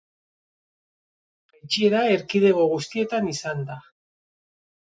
Jaitsiera erkidego guztietan izan da.